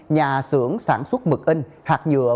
nhà xưởng sản xuất mực in hạt nhựa